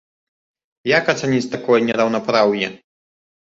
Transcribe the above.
Як ацаніць такое нераўнапраўе?